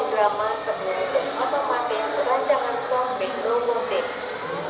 pertama ketemu dengan otomatis rancangan sofbank robotics